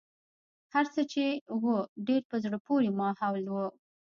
هرڅه چې و ډېر په زړه پورې ماحول و.